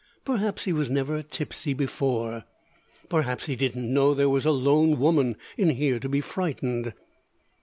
Perhaps he was never tipsy before. Perhaps he didn't know there was a lone woman in here to be frightened."